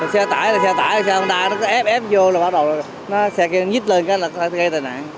xe tải là xe tải xe không đa nó ép ép vô là bắt đầu nó xe kia nhít lên là gây tên nạn